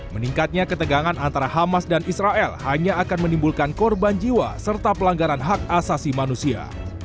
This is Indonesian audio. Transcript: meningkatnya ketegangan antara hamas dan israel hanya akan menimbulkan korban jiwa serta pelanggaran hak asasi manusia